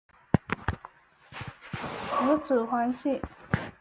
蒯越和黄祖的儿子黄射担任过章陵太守。